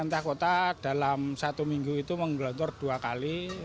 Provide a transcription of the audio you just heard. untuk sementara ini pemerintah kotanel satu minggu itu menggelontur dua kali sebesar empat belas ton